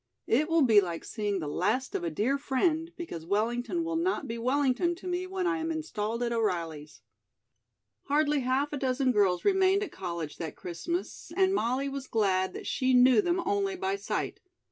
It will be like seeing the last of a dear friend, because Wellington will not be Wellington to me when I am installed at O'Reilly's." Hardly half a dozen girls remained at college that Christmas, and Molly was glad that she knew them only by sight.